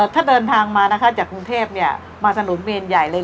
ถ้าเดินทางมานะคะจากกรุงเทพมาสนุนเวรใหญ่เลย